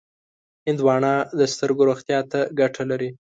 هندوانه د سترګو روغتیا ته ګټه لري.